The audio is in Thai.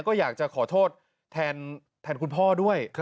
ก็อยากจะขอโทษแทนคุณพ่อด้วย